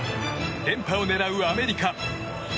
連覇を狙うアメリカ。